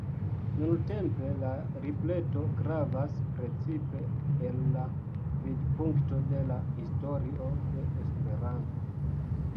Nuntempe la libreto gravas precipe el la vidpunkto de la historio de Esperanto.